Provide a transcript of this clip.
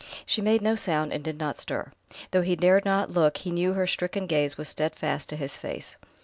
She made no sound and did not stir; and though he dared not look he knew her stricken gaze was steadfast to his face.